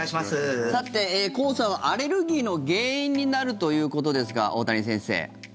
黄砂はアレルギーの原因になるということですが大谷先生。